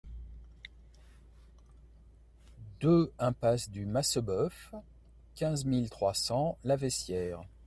deux impasse du Masseboeuf, quinze mille trois cents Laveissière